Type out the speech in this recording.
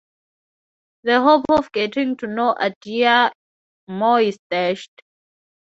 The hope of getting to know Aditya more is dashed.